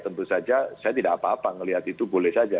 tentu saja saya tidak apa apa melihat itu boleh saja